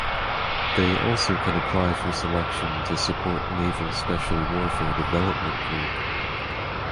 They also can apply for selection to support Naval Special Warfare Development Group.